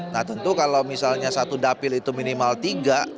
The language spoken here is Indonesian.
nah tentu kalau misalnya satu dapil itu minimal tiga